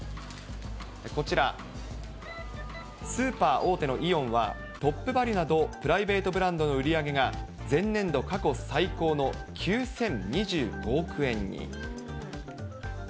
こちら、スーパー大手のイオンはトップバリュなどプライベートブランドの売り上げが前年度過去最高の９０２５億円に。